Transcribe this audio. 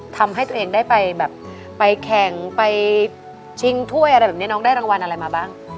ทำให้ตัวเองได้ไปแบบไปแข่งไปชิงถ้วยอะไรแบบนี้น้องได้รางวัลอะไรมาบ้าง